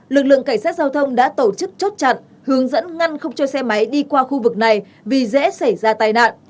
lực lượng cảnh sát giao thông đã tổ chức chốt chặn hướng dẫn ngăn không cho xe máy đi qua khu vực này vì dễ xảy ra tai nạn